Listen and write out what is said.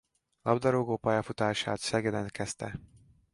Labdarúgó pályafutását Szegeden kezdte.